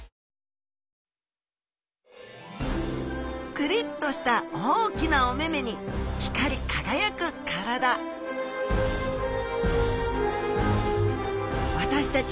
クリッとした大きなお目々に光り輝く体私たち